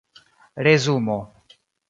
resumo